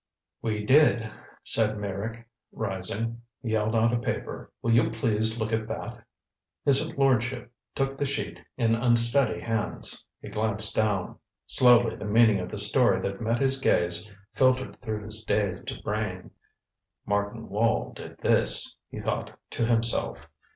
"We did," said Meyrick, rising. He held out a paper. "Will you please look at that." His lordship took the sheet in unsteady hands. He glanced down. Slowly the meaning of the story that met his gaze filtered through his dazed brain. "Martin Wall did this," he thought to himself.